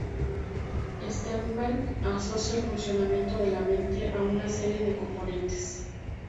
Sternberg asocia el funcionamiento de la mente a una series de componentes.